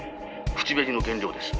「口紅の原料です」